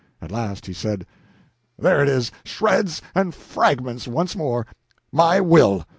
At last he said "There it is, shreds and fragments once more my will.